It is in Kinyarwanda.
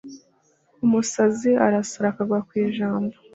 umusazi arasara akagwa ku ijambo